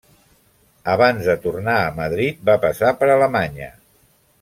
Abans de tornar a Madrid, va passar per Alemanya.